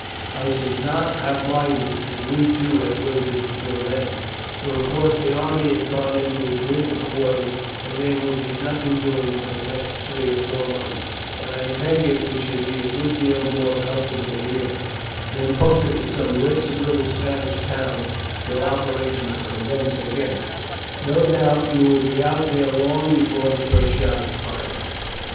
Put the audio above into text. I should not have minded if we too had waited until then, for of course the army have gone into its winter quarters, and there will be nothing doing for the next three or four months; and I take it we should be a good deal more comfortable here, than posted in some wretched little Spanish town till operations commence again. No doubt you will be out there long before the first shot is fired."